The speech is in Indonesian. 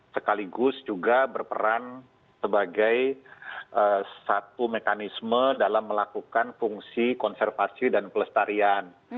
sekaligus juga berperan sebagai satu mekanisme dalam melakukan fungsi konservasi dan pelestarian